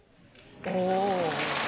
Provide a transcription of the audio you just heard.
お。